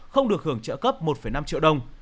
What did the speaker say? không được hưởng trợ cấp một năm triệu đồng